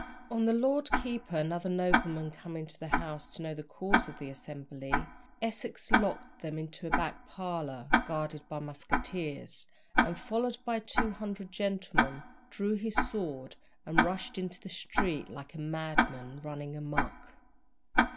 On the Lord Keeper and other noblemen coming to the house to know the cause of the assembly, Essex locked them into a back parlour, guarded by musketeers, and followed by two hundred gentlemen, drew his sword and rushed into the street like a madman "running a muck."